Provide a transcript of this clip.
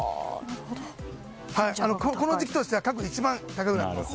この時期としては過去一番高くなっています。